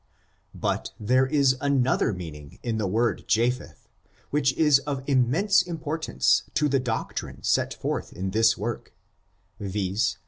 But there is an other meaning in the word Japheth, which is of im mense importance to the doctrine set forth in this woric, viz.